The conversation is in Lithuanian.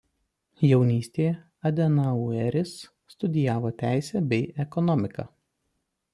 Jaunystėje Adenaueris studijavo teisę bei ekonomiką.